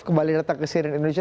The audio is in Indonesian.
kembali datang ke cnn indonesia